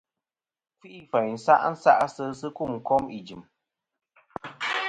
Kfi'ìfòyn sa' nsa'sisɨ̀ a sɨ kum kom ijɨ̀m.